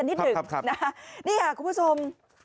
นี่ค่ะคุณผู้ชม